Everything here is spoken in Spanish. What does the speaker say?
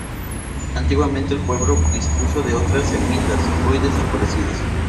Antiguamente el pueblo dispuso de otras ermitas, hoy desaparecidas.